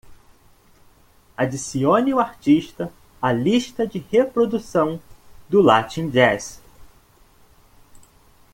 Adicione o artista à lista de reprodução do Latin Jazz.